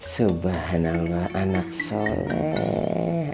subhanallah anak soleh